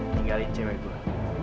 tinggalin cewek gue